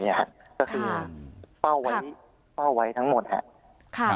ก็คือเฝ้าไว้ทั้งหมดครับ